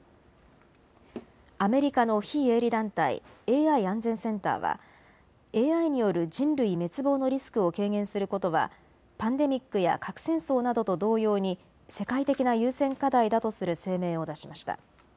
アメリカの非営利団体、ＡＩ安全センターはＡＩによる人類滅亡のリスクを軽減することはパンデミックや核戦争などと同様に世界的な優先課題だとする声明を出しました。